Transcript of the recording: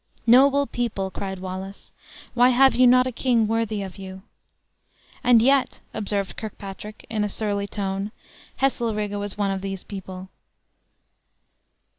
"Noble people!" cried Wallace, "why have you not a king worthy of you?" "And yet," observed Kirkpatrick, in a surly tone, "Heselrigge was one of these people!"